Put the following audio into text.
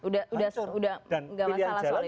dan pilihan jalan sudah